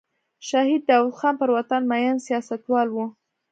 شهید داود خان پر وطن مین سیاستوال و.